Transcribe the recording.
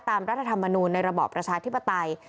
รัฐธรรมนูลในระบอบประชาธิปไตย